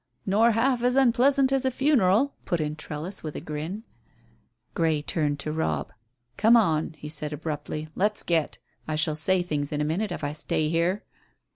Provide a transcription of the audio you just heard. "Nor half as unpleasant as a funeral," put in Trellis, with a grin. Grey turned to Robb. "Come on," he said abruptly. "Let's get. I shall say things in a minute if I stay here."